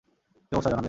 কি অবস্থা, জনাবের?